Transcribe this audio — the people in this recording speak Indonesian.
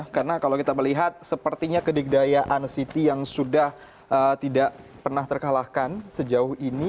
karena kalau kita melihat sepertinya kedegdayaan city yang sudah tidak pernah terkalahkan sejauh ini